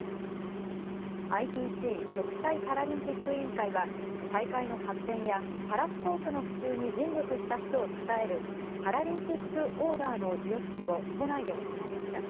ＩＰＣ・国際パラリンピック委員会は、大会の発展や、パラスポーツの普及に尽力した人をたたえるパラリンピックオーダーの授与式を都内で行いました。